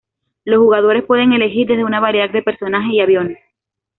Los jugadores pueden elegir desde una variedad de personajes y aviones.